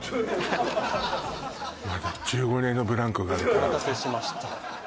まだお待たせしました